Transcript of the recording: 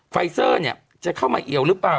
ไฟเซอร์เนี่ยจะเข้ามาเอี่ยวหรือเปล่า